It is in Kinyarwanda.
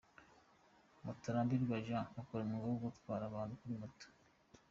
Mutarambirwa Jerse akora umwuga wo gutwara abantu kuri Moto.